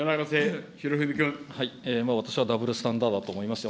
私はダブルスタンダードだと思いますよ。